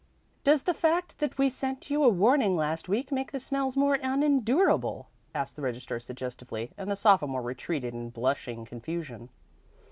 "Does the fact that we sent you a warning last week make the smells more unendurable?" asked the registrar suggestively, and the sophomore retreated in blushing confusion.